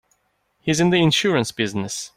He's in the insurance business.